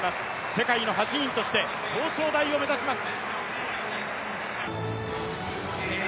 世界の８人として表彰台を目指します。